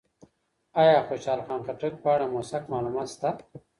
ایا خوشحال خان خټک په اړه موثق معلومات شته؟